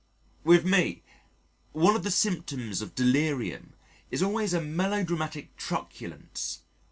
With me, one of the symptoms of delirium is always a melodramatic truculence!